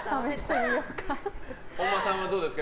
本間さんはどうですか？